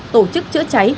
tổ chức chữa cháy